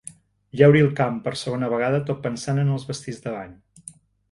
Llauri el camp per segona vegada tot pensant en els vestits de bany.